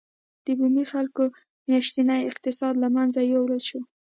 د بومي خلکو معیشتي اقتصاد له منځه یووړل شو.